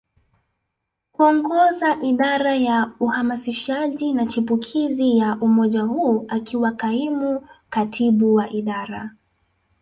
kuongoza Idara ya Uhamasishaji na Chipukizi ya umoja huu akiwa kaimu katibu wa idara